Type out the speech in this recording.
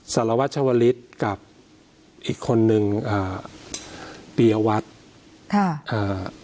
สารวัชวลิศกับอีกคนนึงอ่าปียวัตรค่ะอ่า